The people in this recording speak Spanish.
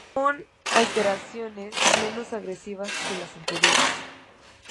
Son alteraciones menos agresivas que las anteriores.